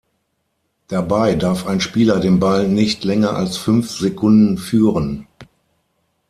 Dabei darf ein Spieler den Ball nicht länger als fünf Sekunden führen.